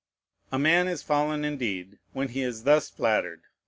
A man is fallen indeed, when he is thus flattered.